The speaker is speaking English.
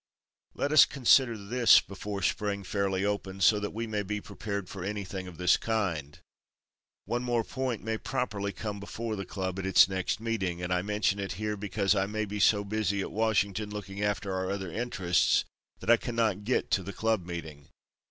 Let us consider this before Spring fairly opens, so that we may be prepared for anything of this kind. One more point may properly come before the club at its next meeting, and I mention it here because I may be so busy at Washington looking after our other interests that I cannot get to the club meeting.